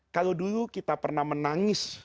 kalau dulu kita pernah menangis